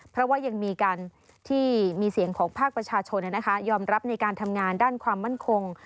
เพราะว่ายังมีการที่มีเสียงของภาคประชาชนยอมรับในการทำงานด้านความมั่นคง